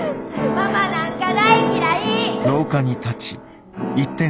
ママなんか大嫌い！